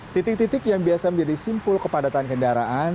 titik titik yang biasa menjadi simpul kepadatan kendaraan